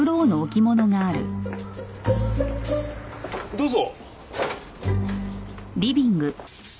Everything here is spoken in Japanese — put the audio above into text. どうぞ。